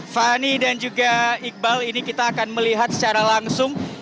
fani dan juga iqbal ini kita akan melihat secara langsung